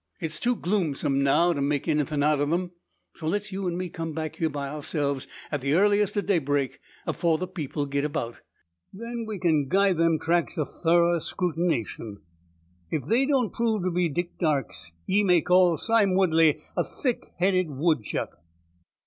It's too gloomsome now to make any thin' out o' them. So let's you an' me come back here by ourselves, at the earliest o' daybreak, afore the people git about. Then we kin gie them tracks a thorrer scrutination. If they don't prove to be Dick Darke's, ye may call Sime Woodley a thick headed woodchuck."